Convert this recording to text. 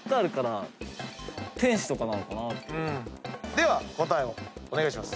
では答えをお願いします。